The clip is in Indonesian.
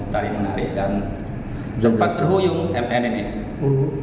tarik menarik dan jempat terhuyung mnnn